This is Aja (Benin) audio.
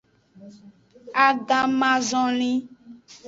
Agamazonli.